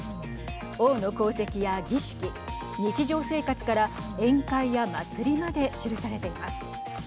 王の功績や儀式日常生活から宴会や祭りまで記されています。